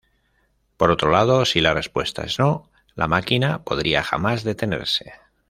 Por otro lado, si la respuesta es "no", la máquina podría jamás detenerse.